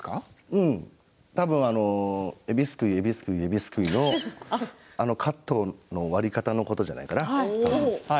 うん、多分えびすくいえびすくい、えびすくいのあのカットの割り方のことじゃないかな。